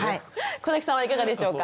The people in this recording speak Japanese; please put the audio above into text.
小さんはいかがでしょうか？